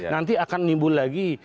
nanti akan nimbul lagi